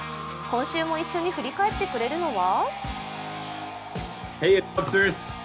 今週も一緒に振り返ってくれるのは？